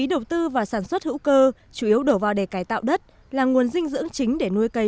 đầu tư và sản xuất hữu cơ chủ yếu đổ vào để cải tạo đất là nguồn dinh dưỡng chính để nuôi cây